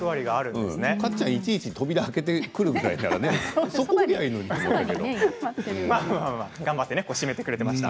カッちゃん、いちいち扉を開けてくるぐらいなら頑張って締めてくれていました。